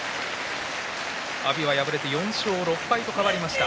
阿炎は敗れて４勝６敗と変わりました。